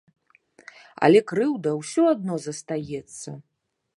Але крыўда ўсё адно застаецца.